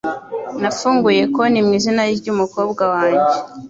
Nafunguye konti mwizina ryumukobwa wanjye.